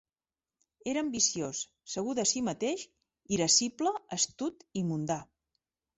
Era ambiciós, segur de si mateix, irascible, astut i mundà.